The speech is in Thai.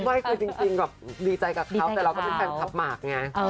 ไม่คือจริงแบบดีใจกับเขาแต่เราก็เป็นแฟนคลับหมากไง